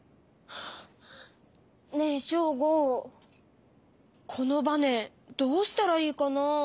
ねえショーゴこのバネどうしたらいいかな？